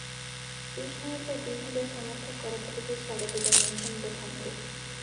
শুরুর সময় প্রায় দুই হাজার সমর্থক করতালি দিয়ে স্বাগত জানিয়েছেন বোথামকে।